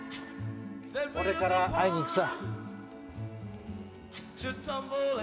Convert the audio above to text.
俺から会いに行くさ。